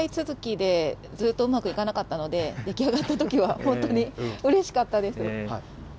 失敗続きで、ずっとうまくいかなかったので、出来上がったときは本当にうれしかったです。